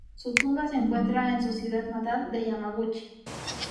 Su tumba se encuentra en su ciudad natal de Yamaguchi.